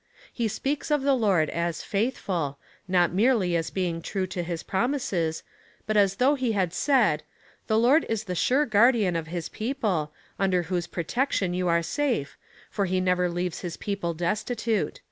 He speaks of the Lord as faithfid, not merely as being true to his promises, but as though he had said : The Lord is the sure guardian of his people, under whose protection you are safe, for he never leaves his jDeople destitute.